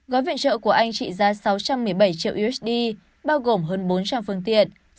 gói viện trợ của anh trị giá sáu trăm một mươi bảy triệu usd bao gồm hơn bốn trăm linh phương tiện